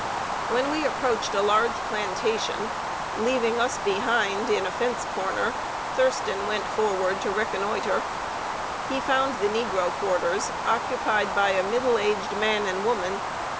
When we approached a large plantation, leaving us behind, in a fence corner, Thurston went forward to reconnoiter. He found the negro quarters occupied by a middle aged man and woman.